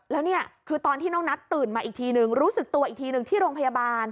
แล้วนี่คือตอนที่น้องนัทตื่นมาอีกทีนึงรู้สึกตัวอีกทีหนึ่งที่โรงพยาบาล